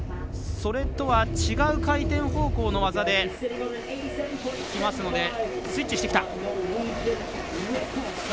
それとは違う回転方向の技できますのでスイッチしてきた。